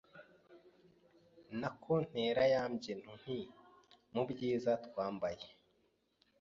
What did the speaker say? Nako ntere ya mbyino Nti:mu byiza twambaye